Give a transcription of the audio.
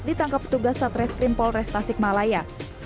ditangkap petugas satreskrim polres tasikmalaya